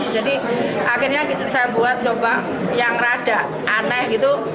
jadi akhirnya saya buat coba yang rada aneh gitu